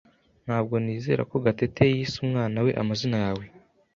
Ntabwo nizera ko Gatete yise umwana we amazina yawe.